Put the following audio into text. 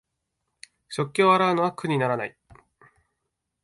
食器を洗うのは苦にならない